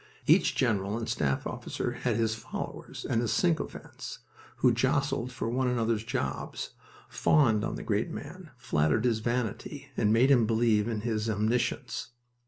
Each general and staff officer had his followers and his sycophants, who jostled for one another's jobs, fawned on the great man, flattered his vanity, and made him believe in his omniscience.